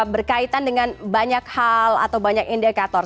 berkaitan dengan banyak hal atau banyak indikator